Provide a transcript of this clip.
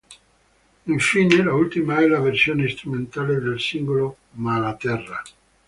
Infine l'ultima è la versione strumentale del singolo "Malaterra".